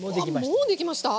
あもうできました